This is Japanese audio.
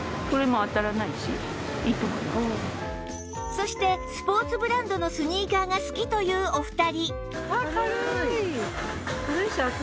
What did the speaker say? そしてスポーツブランドのスニーカーが好きというお二人